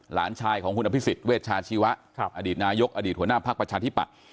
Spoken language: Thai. หลานชายของคุณอภิษฎเวชาชีวะอดีตนายกอดีตหัวหน้าภักดิ์ประชาธิปัตย์